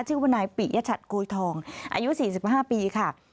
ชื่อว่านายปิยชัดโกยทองอายุ๔๕ปีค่ะ